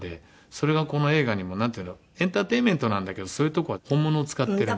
それがこの映画にもなんていうんだろうエンターテインメントなんだけどそういうとこは本物を使ってるんで。